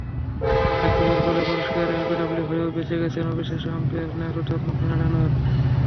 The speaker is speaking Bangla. সাকিবের বলে পরিষ্কার এলবিডব্লু হয়েও বেঁচে গেছেন অবিশ্বাস্যভাবে আম্পায়ার না-বোধক মাথা নাড়ানোয়।